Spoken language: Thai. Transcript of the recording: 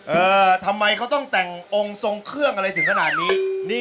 เออทำไมเขาต้องแต่งองค์ทรงเครื่องอะไรถึงขนาดนี้